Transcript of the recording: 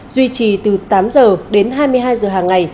duy trì từ tám h đến hai mươi hai h hàng ngày